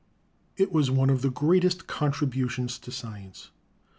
It was one of the greatest contributions to science.